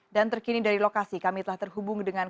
dan terkini dari lokasi kami telah terhubung dengan